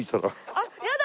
あっやだ！